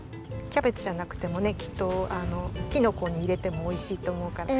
キャベツじゃなくてもねきっとキノコいれてもおいしいとおもうから。